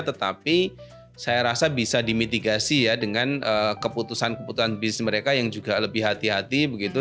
tetapi saya rasa bisa dimitigasi ya dengan keputusan keputusan bisnis mereka yang juga lebih hati hati begitu